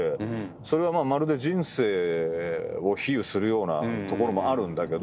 それはまるで人生を比喩するようなところもあるんだけど。